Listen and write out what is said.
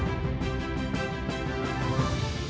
surat berhasil sediakan